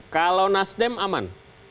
kalau nasdem aman